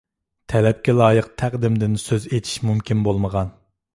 تەلەپكە لايىق تەقدىمدىن سۆز ئېچىش مۇمكىن بولمىغان.